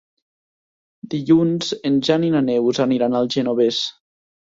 Dilluns en Jan i na Neus aniran al Genovés.